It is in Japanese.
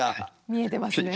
見えてますね。